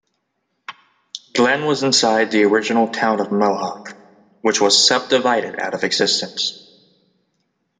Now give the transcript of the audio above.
Glen was inside the original Town of Mohawk, which was subdivided out of existence.